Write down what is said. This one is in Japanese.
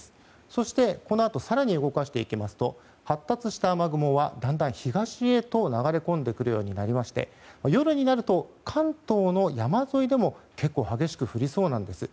そして、このあと更に動かしていきますと発達した雨雲はだんだん東へと流れ込んでくるようになりまして夜になると、関東の山沿いでも結構激しく降りそうなんです。